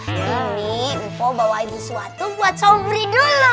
ini empo bawa sesuatu buat sobri dulu